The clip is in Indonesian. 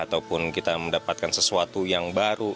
ataupun kita mendapatkan sesuatu yang baru